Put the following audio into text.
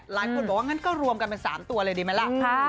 หลายคนบอกว่างั้นก็รวมกันเป็น๓ตัวเลยดีไหมล่ะ